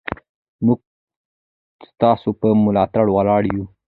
موږ ستاسو په ملاتړ ولاړ یو.